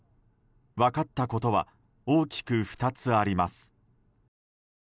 分かったことは大きく２つあります。